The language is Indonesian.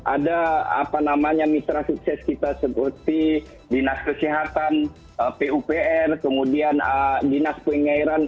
ada apa namanya mitra sukses kita seperti dinas kesehatan pupr kemudian dinas pengairan